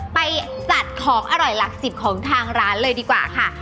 ไปจัดของอร่อยหลักสิบของทางร้านเลยดีกว่าค่ะ